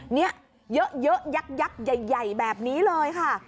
เนี่ยเยอะยักษ์ใหญ่แบบนี้เลยค่ะ